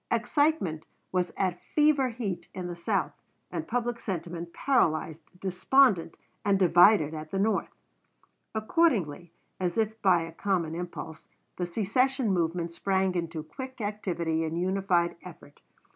Excitement was at fever heat in the South, and public sentiment paralyzed, despondent, and divided at the North. Accordingly, as if by a common impulse, the secession movement sprang into quick activity and united effort.